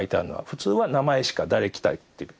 普通は名前しか誰来たって。